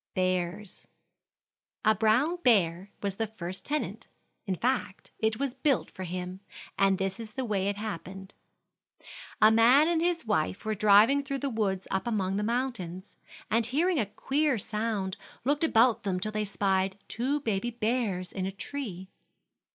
BEARS. A brown bear was the first tenant; in fact, it was built for him, and this is the way it happened: A man and his wife were driving through the woods up among the mountains, and hearing a queer sound looked about them till they spied two baby bears in a tree.